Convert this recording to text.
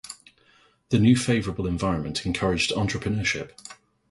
The new favorable environment encouraged entrepreneurship.